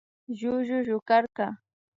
Llullu llukarka